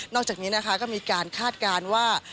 อกจากนี้นะคะก็มีการคาดการณ์ว่า